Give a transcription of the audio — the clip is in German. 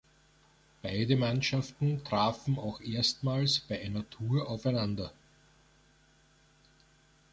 Beide Mannschaften trafen auch erstmals bei einer Tour aufeinander.